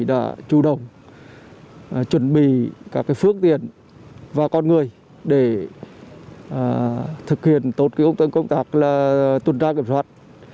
đã chủ động chuẩn bị các phương tiện và con người để thực hiện tốt công tác tuần tra kiểm soát